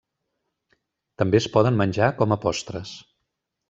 També es poden menjar com a postres.